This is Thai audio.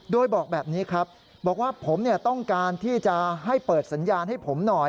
โดยบอกแบบนี้ครับบอกว่าผมต้องการที่จะให้เปิดสัญญาณให้ผมหน่อย